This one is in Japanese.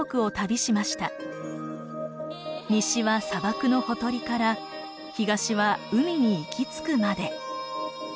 西は砂漠のほとりから東は海に行き着くまで。